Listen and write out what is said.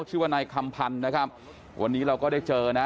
ชื่อว่าในคำพันธุ์นะครับ